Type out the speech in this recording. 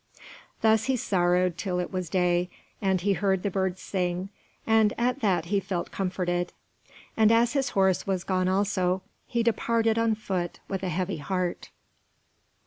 Thus he sorrowed till it was day, and he heard the birds sing, and at that he felt comforted. And as his horse was gone also, he departed on foot with a heavy heart.